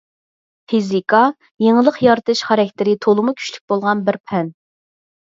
فىزىكا — يېڭىلىق يارىتىش خاراكتېرى تولىمۇ كۈچلۈك بولغان بىر پەن.